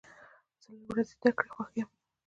زه له ورځې زده کړې خوښ یم.